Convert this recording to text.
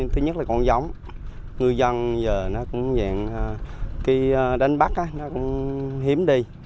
thứ nhất là con giống ngư dân giờ nó cũng vậy cái đánh bắt nó cũng hiếm đi